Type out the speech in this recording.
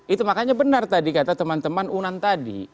itu makanya benar tadi kata teman teman unan tadi